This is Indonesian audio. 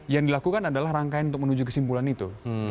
yang dilakukan adalah rangkaian untuk menuju kesimpulan itu